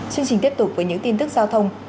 chương trình tiếp tục với những tin tức giao thông